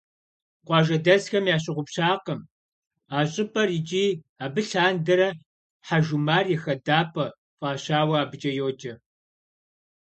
Къуажэдэсхэм ящыгъупщакъым а щӏыпӏэр икӏи абы лъандэрэ «Хьэжумар и хадапӏэ» фӏащауэ абыкӏэ йоджэ.